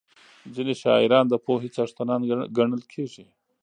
ځینې شاعران د پوهې څښتنان ګڼل کېږي.